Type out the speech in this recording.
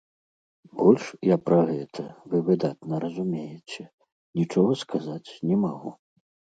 Больш я пра гэта, вы выдатна разумееце, нічога сказаць не магу.